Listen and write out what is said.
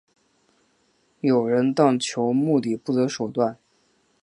有人但求目的不择手段。